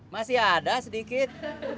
masih ada sedikit